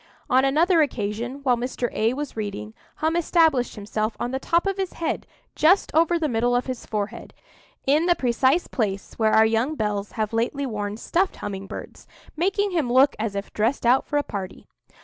On another occasion, while Mr. A was reading, Hum established himself on the top of his head just over the middle of his forehead, in the precise place where our young belles have lately worn stuffed humming birds, making him look as if dressed out for a party.